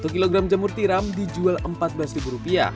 satu kilogram jamur tiram dijual rp empat belas